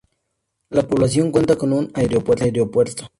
La población cuenta con un aeropuerto.